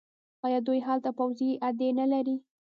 آیا دوی هلته پوځي اډې نلري؟